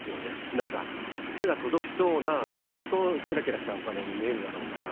なんか、手が届きそうな、相当きらきらしたお金に見えるだろうから。